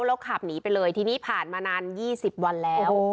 แล้วขับหนีไปเลยทีนี้ผ่านมานาน๒๐วันแล้ว